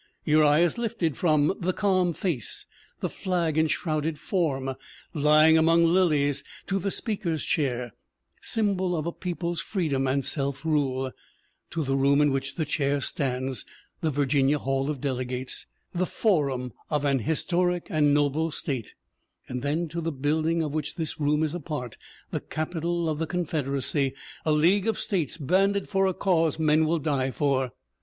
Your eye is lifted from "the calm face, the flag enshrouded form, lying among lilies" to the Speaker's Chair, symbol of a people's freedom and self rule, to the room in which the chair stands, the Virginia Hall of Delegates, the forum of an historic and noble State, and then to the build ing of which this room is a part, the Capitol of the Confederacy, a league of States banded for a cause men will die for.